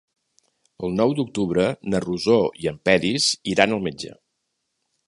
El nou d'octubre na Rosó i en Peris iran al metge.